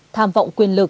tham vọng quyền lực